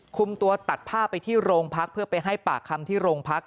คุมตัวตัดผ้าไปที่โรงพักเพื่อไปให้ปากคำที่โรงพัก